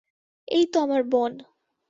এইতো আমার বোন।